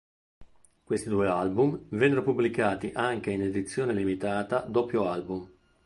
Questi due album vennero pubblicati anche in edizione limitata doppio album.